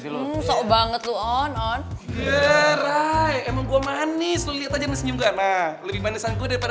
emang gue manis liat aja senyum lebih manis